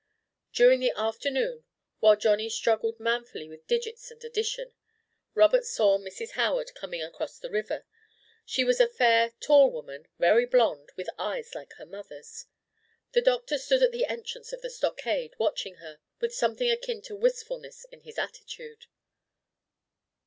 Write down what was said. During the afternoon, while Johnny struggled manfully with digits and addition, Robert saw Mrs. Howard coming across the river. She was a fair, tall woman, very blonde, with eyes like her mother's. The Doctor stood at the entrance of the stockade, watching her, with something akin to wistfulness in his attitude.